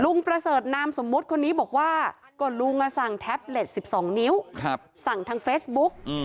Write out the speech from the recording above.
ประเสริฐนามสมมุติคนนี้บอกว่าก็ลุงสั่งแท็บเล็ต๑๒นิ้วสั่งทางเฟซบุ๊ก